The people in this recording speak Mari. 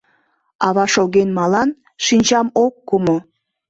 Ава шоген малан, шинчам ок кумо